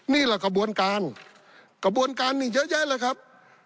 นี่แหละกระบวนการกระบวนการนี่เยอะแยะเลยครับ